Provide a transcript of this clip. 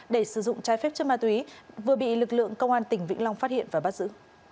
để sử dụng trái phép chất ma túy vừa bị lực lượng công an tỉnh vĩnh long phát hiện và bắt giữ